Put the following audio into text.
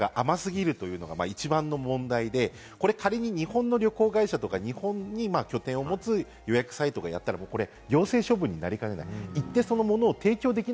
審査が甘すぎるというのが一番の問題で、仮に日本の旅行会社とか、日本に拠点を持つ予約サイトがやったら、これ行政処分になりかねない。